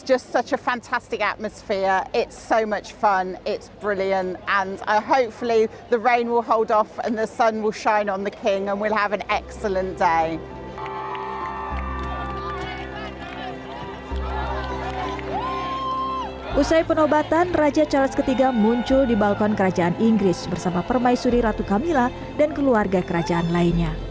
usai penobatan raja charles iii muncul di balkon kerajaan inggris bersama permaisuri ratu camilla dan keluarga kerajaan lainnya